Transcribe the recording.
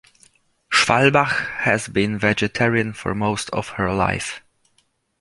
Schwalbach has been vegetarian for most of her life.